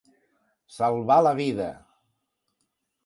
Salvar la vida.